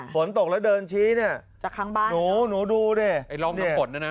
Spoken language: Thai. ฝนตกแล้วเดินชี้เนี่ยจากข้างบ้านหนูหนูดูดิไอ้ร้องน้ำฝนเนี่ยนะ